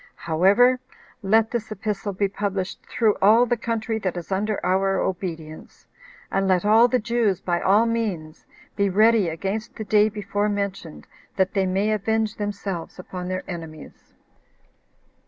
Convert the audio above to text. However, let this epistle be published through all the country that is under our obedience, and let all the Jews, by all means, be ready against the day before mentioned, that they may avenge themselves upon their enemies."